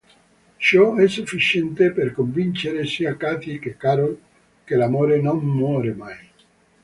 Ciò è sufficiente per convincere sia Katie che Carol che l’amore non muore mai.